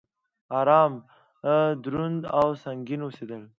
ارام، دروند او سنګين اوسيدل